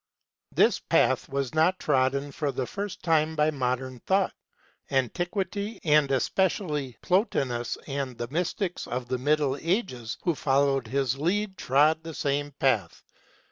This path was not trodden for the first time by modern thought : antiquity and espe cially Plotinus and the Mystics of the Middle Ages who followed his lead trod the same path.